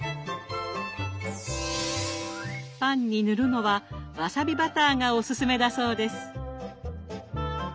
パンに塗るのはわさびバターがおすすめだそうです。